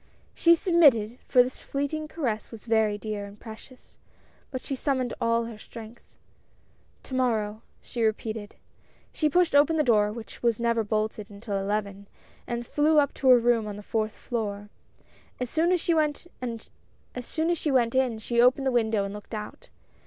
She submitted, for this fleeting caress was very dear and precious, but she summoned all her strength. " To morrow !" she repeated. She pushed open the door, which was never bolted until eleven, and flew up to her room on the fourth floor. As soon as she went in she opened the window and looked out.